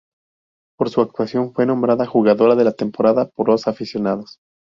Por su actuación fue nombrada "Jugadora de la temporada" por los aficionados.